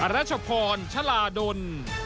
รัชพรชลาดล